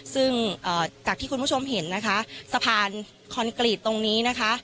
ซึ่งจากที่คุณผู้ชมเห็นนะคะสะพานคอนกรีตตรงนี้นะคะ